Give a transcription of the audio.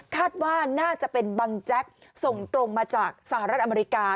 คาดว่าน่าจะเป็นบังแจ๊กส่งตรงมาจากสหรัฐอเมริกา